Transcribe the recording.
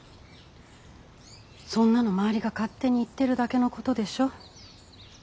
そんなの周りが勝手に言ってるだけのことでしょ。